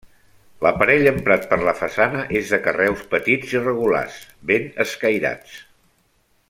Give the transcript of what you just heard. L'aparell emprat per la façana és de carreus petits i regulars, ben escairats.